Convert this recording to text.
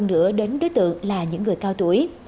và hơn nữa đến đối tượng là những người cao tuổi